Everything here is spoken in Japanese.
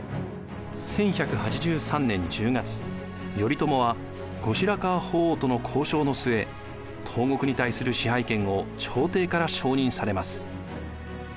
１１８３年１０月頼朝は後白河法皇との交渉の末東国に対する支配権を朝廷から承認されます。